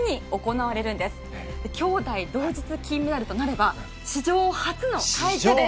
兄妹同日金メダルとなれば史上初の快挙です。